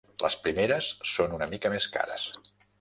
Les primeres són una mica més cares.